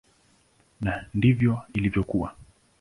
Na ndivyo ilivyokuwa.